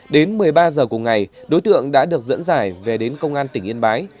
đến một mươi ba h cùng ngày đối tượng đã được dẫn giải về đến công an tỉnh yên bái